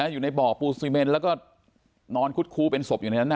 อยู่ในบ่อปูซีเมนแล้วก็นอนคุดคูเป็นศพอยู่ในนั้น